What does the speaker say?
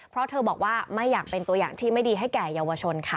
เพราะเธอบอกว่าไม่อยากเป็นตัวอย่างที่ไม่ดีให้แก่เยาวชนค่ะ